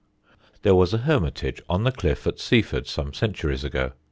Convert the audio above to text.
_] There was a hermitage on the cliff at Seaford some centuries ago.